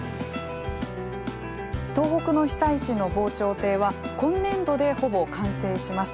東北の被災地の防潮堤は今年度でほぼ完成します。